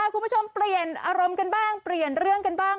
คุณผู้ชมเปลี่ยนอารมณ์กันบ้างเปลี่ยนเรื่องกันบ้าง